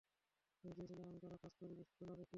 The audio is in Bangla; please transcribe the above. তুমি চেয়েছিলে আমি আরও কাজ করি, সোনাপকি।